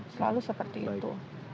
selalu seperti itu